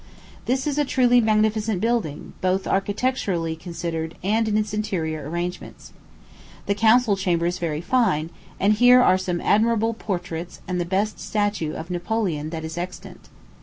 This is a truly magnificent building, both architecturally considered and in its interior arrangements. The council chamber is very fine, and here are some admirable portraits and the best statue of Napoleon that is extant.